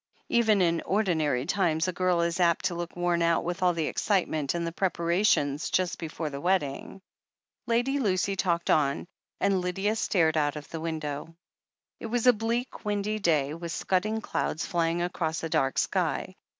Even in ordinary times a girl is apt to look worn out witfi all the excitement and the prepara tions just before the wedding. ..." Lady Lucy talked on, and Lydia stared out of the window. It was a bleak, windy day, with scudding clouds fly ing across a dark sky.